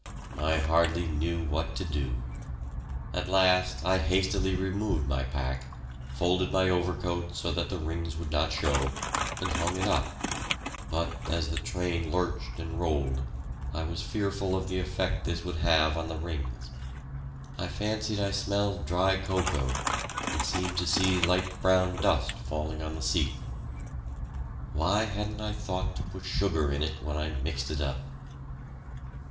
I hardly knew what to do. At last I hastily removed my pack, folded my overcoat so that the rings would not show, and hung it up, but as the train lurched and rolled, I was fearful of the effect this would have on the rings. I fancied I smelled dry cocoa, and seemed to see light brown dust falling on the seat. Why hadn't I thought to put sugar in it when I mixed it up?